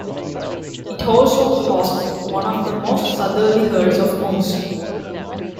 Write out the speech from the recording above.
It also hosts one of the most southerly herds of moose.